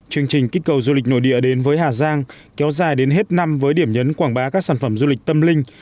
chương trình kích cầu du lịch nội địa đến với hà giang kéo dài đến hết năm với điểm nhấn quảng bá các sản phẩm du lịch tâm linh